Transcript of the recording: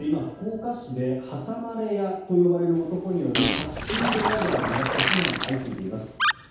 福岡市で挟まれ屋と呼ばれる男によるタクシードライバーを狙った被害が相次いでいます。